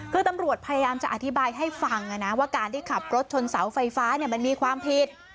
คือตำรวจพยายามจะอธิบายให้ฟังนะว่าการที่ขับรถชนเสาไฟฟ้ามันมีความผิด